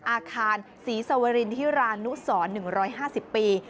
อาคารศรีสวรินทิรานุสร๑๕๐ปี